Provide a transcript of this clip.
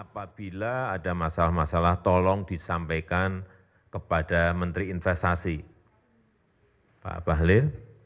apabila ada masalah masalah tolong disampaikan kepada menteri investasi pak bahlir